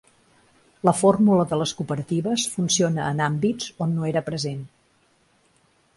La fórmula de les cooperatives funciona en àmbits on no era present.